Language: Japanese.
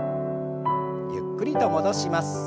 ゆっくりと戻します。